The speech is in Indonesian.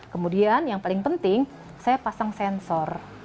kemudian yang paling penting saya pasang sensor